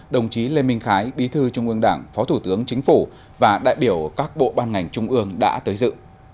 đồng chí lê minh khái bí thư trung ương đảng phó thủ tướng chính phủ và đại biểu các bộ ban ngành trung ương đã tới dự